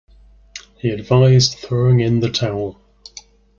He advised throwing in the towel.